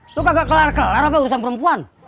itu kagak kelar kelar apa urusan perempuan